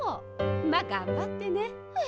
まあがんばってね。え。